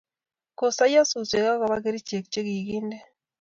kosaiyo suswek akoba kerichek che kikinde